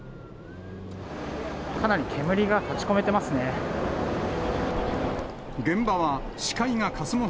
かなり煙が立ちこめてますね。